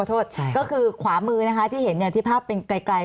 โทษใช่ก็คือขวามือนะคะที่เห็นเนี่ยที่ภาพเป็นไกลไกล